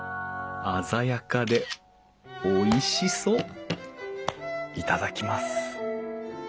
鮮やかでおいしそう頂きます。